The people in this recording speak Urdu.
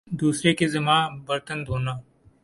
دوسری کے ذمہ برتن دھونا